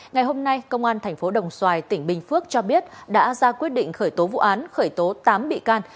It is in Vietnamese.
ngày hôm nay công an tp đồng xoài tỉnh bình phước cho biết đã ra quyết định khởi tố vụ án khởi tố tám bị can